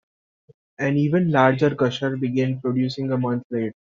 An even larger gusher began producing a month later.